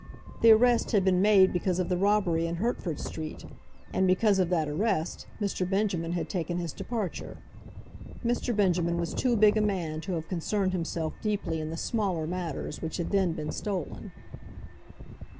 The arrest had been made because of the robbery in Hertford Street, and because of that arrest Mr. Benjamin had taken his departure. Mr. Benjamin was too big a man to have concerned himself deeply in the smaller matters which had then been stolen.